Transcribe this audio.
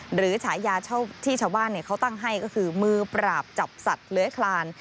ฉายาที่ชาวบ้านเขาตั้งให้ก็คือมือปราบจับสัตว์เลื้อยคลาน